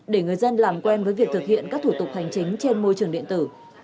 để người dân làm quen với việc thực hiện các thủ tục hành chính trên môi trường điện tử